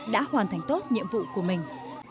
đã hoàn thành tốt nhiệm vụ của mình